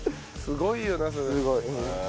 すごい。